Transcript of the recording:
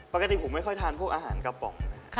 อ่าปกติผมไม่ค่อยทานพวกอาหารกระป๋องเลยค่ะ